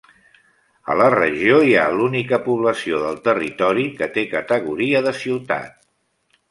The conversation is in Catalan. A la regió hi ha l'única població del territori que té categoria de ciutat.